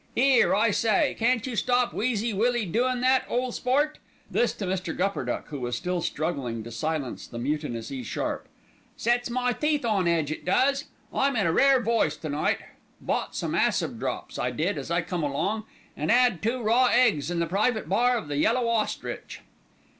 'Ere, I say, can't you stop Wheezy Willie doin' that, ole sport?" this to Mr. Gupperduck who was still struggling to silence the mutinous E sharp; "sets my teeth on edge, it does. I'm in rare voice to night, bought some acid drops, I did, as I come along, an' 'ad two raw eggs in the private bar of The Yellow Ostrich."